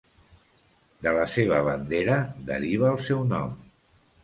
De la seva bandera deriva el seu nom.